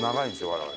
我々。